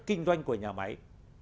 kinh doanh của nhà máy